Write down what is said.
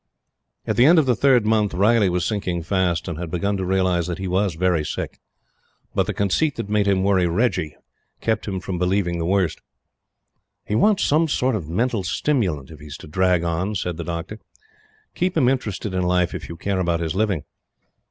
At the end of the third month, Riley was sinking fast, and had begun to realize that he was very sick. But the conceit that made him worry Reggie, kept him from believing the worst. "He wants some sort of mental stimulant if he is to drag on," said the doctor. "Keep him interested in life if you care about his living."